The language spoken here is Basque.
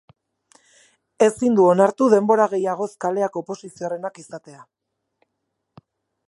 Ezin du onartu denbora gehiagoz kaleak oposizioarenak izatea.